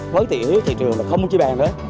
với tiểu thị trường là không có chi bèn nữa